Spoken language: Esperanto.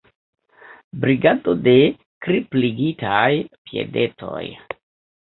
Brigado de kripligitaj piedetoj.